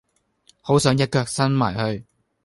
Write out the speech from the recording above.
好想一腳伸埋去